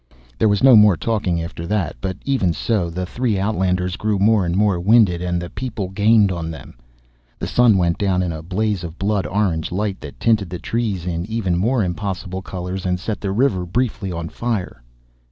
There was no more talking after that, but even so the three outlanders grew more and more winded and the people gained on them. The sun went down in a blaze of blood orange light that tinted the trees in even more impossible colors and set the river briefly on fire.